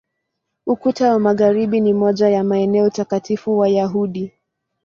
Ukuta wa Magharibi ni moja ya maeneo takatifu Wayahudi.